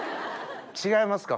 違いますか？